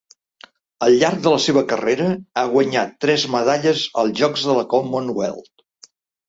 Al llarg de la seva carrera ha guanyat tres medalles als Jocs de la Commonwealth.